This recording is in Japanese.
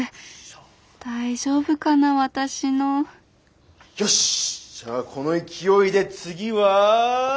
大丈夫かな私のよしじゃあこの勢いで次は。